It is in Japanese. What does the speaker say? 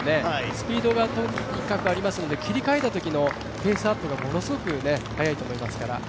スピードがとにかくありますので、切り替えたときのペースアップがものすごく速いと思いますから。